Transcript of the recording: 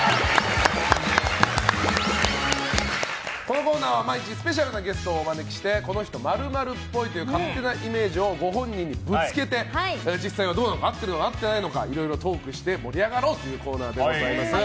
このコーナーは毎日スペシャルなゲストをお招きしてこの人○○っぽいという勝手なイメージをご本人にぶつけて実際はどうなのか合っているのか合っていないのかトークをして盛り上がろうというコーナーでございます。